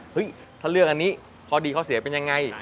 ถ้าเลือกอันนี้ข้อดีข้อเสียเป็นยังไง